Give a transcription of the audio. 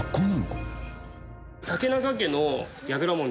これ。